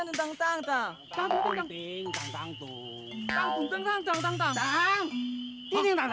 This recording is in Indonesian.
aku juga nggak tau